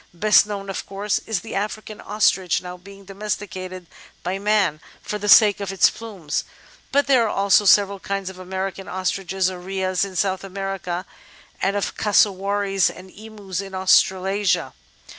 Best known, of course, is the African Ostrich, now being domesticated by man for the sake of its plumes, but there are also several kinds of American Ostriches or Rheas in South America, and of Cassowaries and Emus in Australasia.